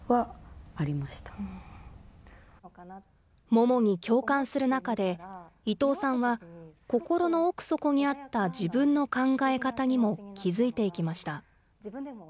ももに共感する中で、伊藤さんは、心の奥底にあった自分の考え方にも気付いていきました。